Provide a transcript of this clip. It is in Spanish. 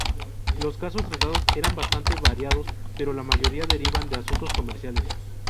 Los casos tratados eran bastante variados, pero la mayoría derivaban de asuntos comerciales.